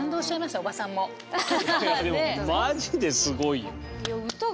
いやでもまじですごいよ。